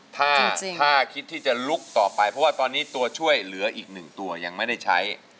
ถ้าคิดที่จะลุกต่อไปเพราะว่าตอนนี้ตัวช่วยเหลืออีกหนึ่งตัวยังไม่ได้ใช้